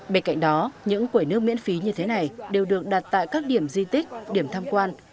bên cạnh đó những quầy nước miễn phí như thế này đều được đặt tại các điểm di tích điểm tham quan